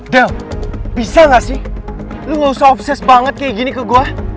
dam bisa gak sih lu gak usah obses banget kayak gini ke gue